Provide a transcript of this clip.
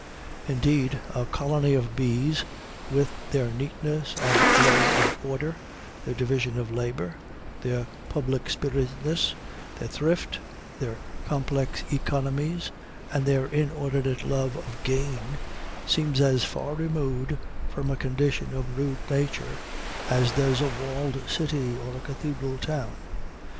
Indeed, a colony of bees, with their neatness and love of order, their division of labor, their public spiritedness, their thrift, their complex economies, and their inordinate love of gain, seems as far removed from a condition of rude nature as does a walled city or a cathedral town.